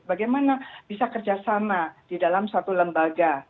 bagaimana bisa kerjasama di dalam satu lembaga